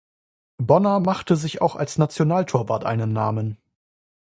Bonner machte sich auch als Nationaltorwart einen Namen.